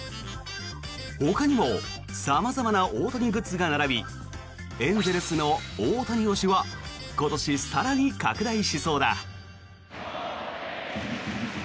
ほかにも様々な大谷グッズが並びエンゼルスの大谷推しは今年、更に拡大しそうだ。